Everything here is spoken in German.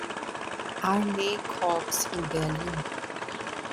Armeekorps in Berlin.